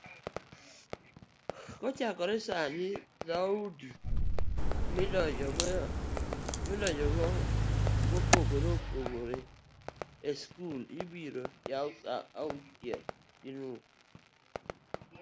kochakore sani dhoudi madonjo kuonde mopogoreopogore e skul ibiroyaw saa achiel gi nus